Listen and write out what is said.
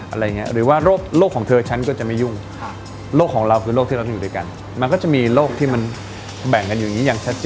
อะไรอย่างนี้หรือว่าโรคของเธอฉันก็จะไม่ยุ่งโรคของเราคือโรคที่เราอยู่ด้วยกันมันก็จะมีโรคที่มันแบ่งกันอยู่อย่างนี้อย่างชัดเจน